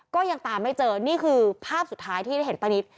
ก็ยังตามไม่เจอนี่คือภาพสุดท้ายที่ได้เห็นป้านิต